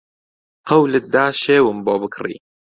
قەولت دا شێوم بۆ بکڕی